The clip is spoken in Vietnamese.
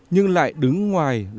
nhưng lại đứng ngoài